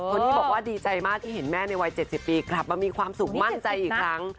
นี่บอกว่าดีใจมากที่เห็นแม่ในวัย๗๐ปีกลับมามีความสุขมั่นใจอีกครั้ง